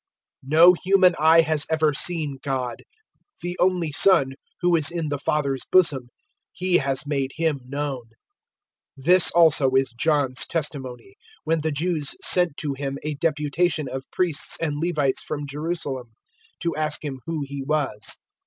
001:018 No human eye has ever seen God: the only Son, who is in the Father's bosom He has made Him known. 001:019 This also is John's testimony, when the Jews sent to him a deputation of Priests and Levites from Jerusalem to ask him who he was.